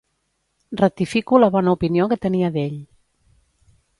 Ratifico la bona opinió que tenia d'ell.